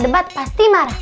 debat pasti marah